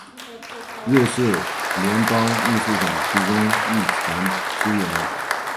瑞士联邦秘书长提供一般支援。